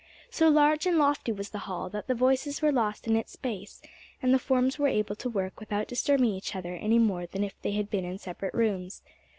So large and lofty was the hall, that the voices were lost in its space, and the forms were able to work without disturbing each other any more than if they had been in separate rooms.